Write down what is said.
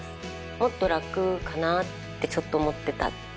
もっと楽かなってちょっと思ってたって。